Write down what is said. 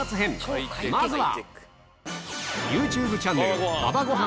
まずは！